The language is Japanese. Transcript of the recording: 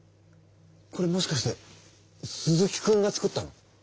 これもしかして鈴木くんが作ったの？